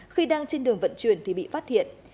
khi đang trên đường vận chuyển thì bị phát hiện